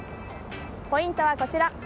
ポイントはこちら。